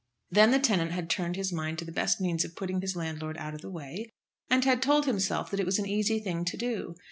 Then the tenant had turned in his mind the best means of putting his landlord out of the way, and had told himself that it was an easy thing to do.